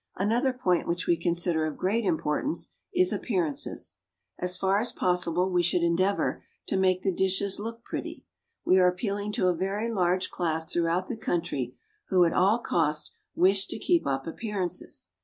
Another point which we consider of great importance is appearances. As far as possible, we should endeavour to make the dishes look pretty. We are appealing to a very large class throughout the country who at all cost wish to keep up appearances.